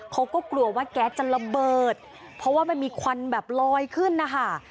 เขาก็กลัวว่าแก๊สจะระเบิดเพราะว่ามันมีควันแบบลอยขึ้นนะคะ